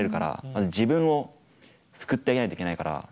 まず自分を救ってあげないといけないから。